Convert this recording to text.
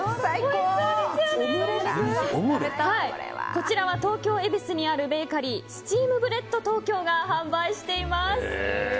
こちらは東京・恵比寿にあるベーカリーＳＴＥＡＭＢＲＥＡＤＴＯＫＹＯが販売しています。